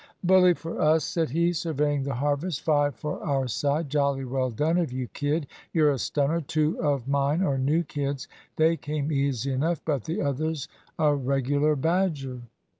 "Bully for us," said he, surveying the harvest. "Five for our side. Jolly well done of you, kid you're a stunner. Two of mine are new kids they came easy enough; but the other's a regular badger."